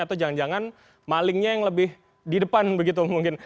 atau jangan jangan malingnya yang lebih di depan begitu mungkin